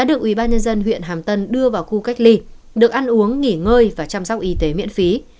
được ubnd huyện hàm tân đưa vào khu cách ly được ăn uống nghỉ ngơi và chăm sóc y tế miễn phí